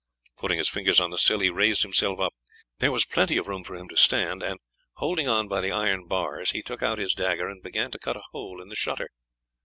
Putting his fingers on the sill he raised himself up. There was plenty of room for him to stand, and, holding on by the iron bars, he took out his dagger and began to cut a hole in the shutter.